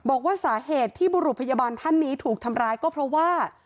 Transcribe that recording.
บอกว่าสาเหตุที่บุรุษพยาบาลท่านนี้ถูกทำร้ายก็เพราะว่า